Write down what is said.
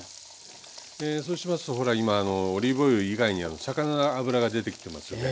そうしますとほら今オリーブオイル以外に魚の脂が出てきてますよね。